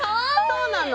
そうなの。